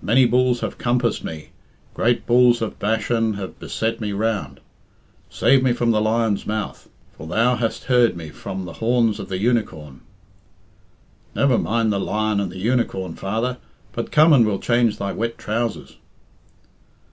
"'Many bulls have compassed me; great bulls of Bashan have beset me round. Save me from the lion's mouth; for Thou hast heard me from the horns of the unicorn.'" "Never mind the lion and the unicorn, father, but come and we'll change thy wet trousers."